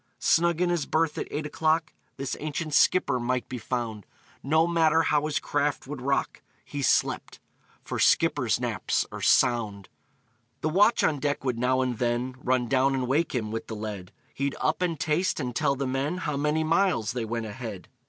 Snug in his berth, at eight o'clock, This ancient skipper might be found; No matter how his craft would rock, He slept for skippers' naps are sound! The watch on deck would now and then Run down and wake him, with the lead; He'd up, and taste, and tell the men How many miles they went ahead.